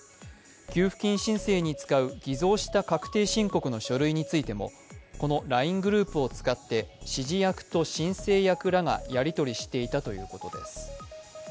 給付金申請に使う偽造した確定申告の書類についてもこのＬＩＮＥグループを使って指示役と申請役らがやり取りしていたということです。